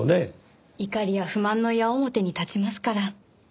怒りや不満の矢面に立ちますから。